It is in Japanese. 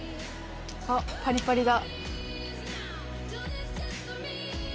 あっパリパリだ。